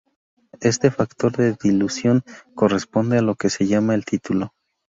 Este factor de dilución corresponde a lo que se llama el título.